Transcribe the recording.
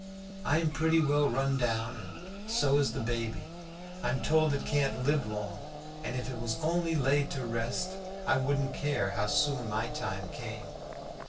I'm pretty well run down and so is baby. I'm told it can't live long, and if it was only laid to rest I wouldn't care how soon my time came.